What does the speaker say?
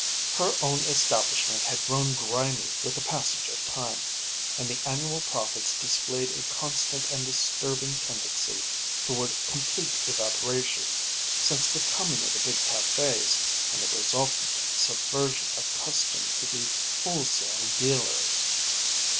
Her own establishment had grown grimy with the passage of time, and the annual profits displayed a constant and disturbing tendency toward complete evaporation, since the coming of the big cafés, and the resultant subversion of custom to the wholesale dealers.